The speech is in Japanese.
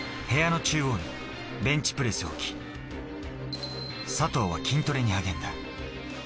部屋の中央にベンチプレスを置き、佐藤は筋トレに励んだ。